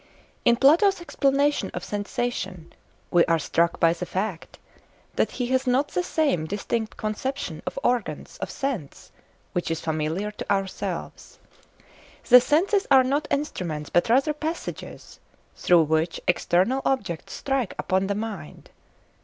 In Plato's explanation of sensation we are struck by the fact that he has not the same distinct conception of organs of sense which is familiar to ourselves. The senses are not instruments, but rather passages, through which external objects strike upon the mind.